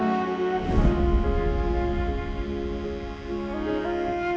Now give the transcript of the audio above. kamu kenapa jadi kayak kurus gini sih